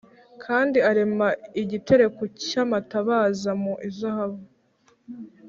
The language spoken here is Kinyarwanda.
Kandi arema igitereko cy amatabaza mu izahabu